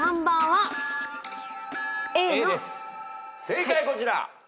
正解こちら。